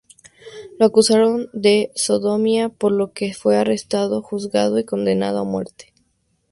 Lo acusaron de sodomía, por lo que fue arrestado, juzgado y condenado a muerte.